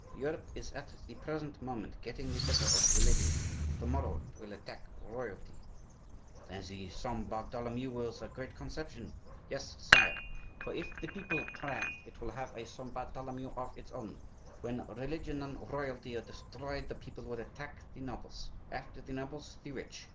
Europe is at the present moment getting the better of religion; to morrow it will attack royalty." "Then the Saint Bartholomew was a great conception?" "Yes, sire; for if the people triumph it will have a Saint Bartholomew of its own. When religion and royalty are destroyed the people will attack the nobles; after the nobles, the rich.